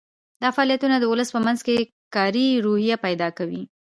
دا فعالیتونه د ولس په منځ کې کاري روحیه پیدا کوي.